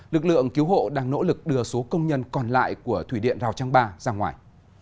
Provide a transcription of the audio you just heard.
lực lượng cứu hộ đang nỗ lực đưa số công nhân còn lại của thủy điện rào trang ba ra ngoài